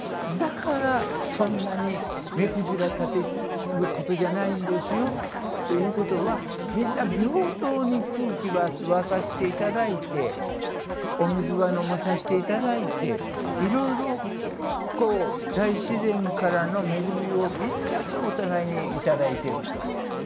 だからそんなに目くじら立てることじゃないんですよということはみんな平等に空気は吸わさして頂いてお水は飲まさして頂いていろいろこう大自然からの恵みをみんながお互いに頂いてると。